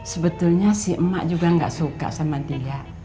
sebetulnya si emak juga gak suka sama dia